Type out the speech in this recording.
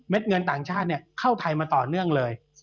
เม็ดเงินต่างชาติเนี่ยเข้าไทยมาต่อเนื่องเลย